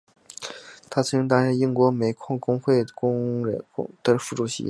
他曾经担任英国煤矿工人工会的主席。